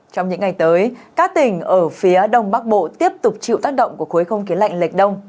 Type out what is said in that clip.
trong những ngày tới các tỉnh ở phía đông bắc bộ tiếp tục chịu tác động của khối không khí lạnh lệch đông